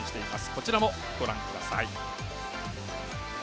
こちらも、ご覧ください。